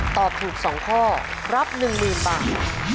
ตอบถูก๒ข้อรับ๑๐๐๐บาท